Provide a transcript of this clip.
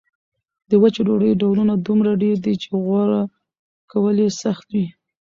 د وچې ډوډۍ ډولونه دومره ډېر دي چې غوره کول یې سخت وي.